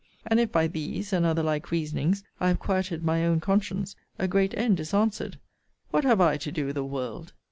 And if by these, and other like reasonings, I have quieted my own conscience, a great end is answered. What have I to do with the world?